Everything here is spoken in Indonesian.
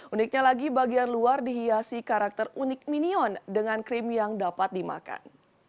uniknya lagi bagian luar dihiasi karakter unik minion dengan krim yang dapat dimakan